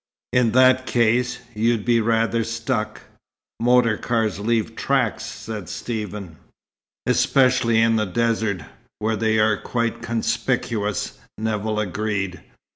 In that case, you'd be rather stuck." "Motor cars leave tracks," said Stephen. "Especially in the desert, where they are quite conspicuous," Nevill agreed.